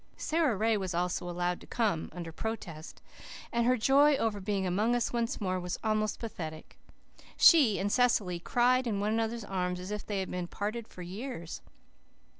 Sara Ray was also allowed to come, under protest; and her joy over being among us once more was almost pathetic. She and Cecily cried in one another's arms as if they had been parted for years.